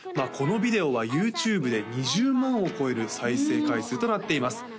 このビデオはＹｏｕＴｕｂｅで２０万を超える再生回数となっています